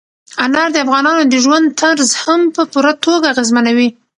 انار د افغانانو د ژوند طرز هم په پوره توګه اغېزمنوي.